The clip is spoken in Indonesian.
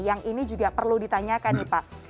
yang ini juga perlu ditanyakan nih pak